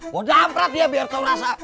mau jamprat dia biar kau rasa